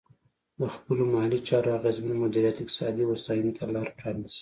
د خپلو مالي چارو اغېزمن مدیریت اقتصادي هوساینې ته لار پرانیزي.